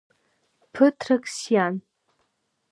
Ԥыҭрак сиан.